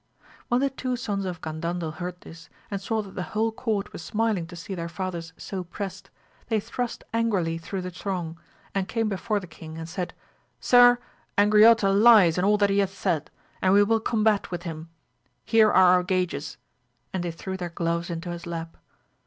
When the two sons of Gandandel heard this, and saw that the whole court were smiling to see their fathers so prest, they thrust angrily through the throng, and came before the king and said, Sir, Angriote lies in all that he hath said and we will combat with him ; here are our gages, and they threw their gloves into his lap.